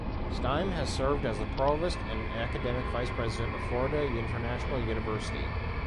Stiehm has served as the Provost and Academic Vice President of Florida International University.